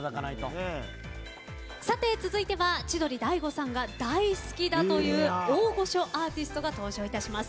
さて、続いて千鳥・大悟さんが大好きだという大御所アーティストが登場いたします。